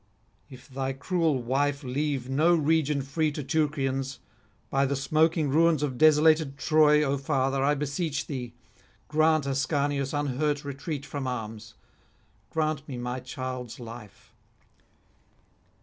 If thy cruel wife leave no region free to Teucrians, by the smoking ruins of desolated Troy, O father, I beseech thee, grant Ascanius unhurt retreat from arms, grant me my child's life.